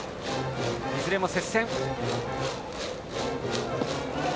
いずれも接戦。